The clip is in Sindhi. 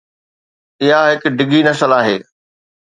اها هڪ ڊگهي نسل آهي.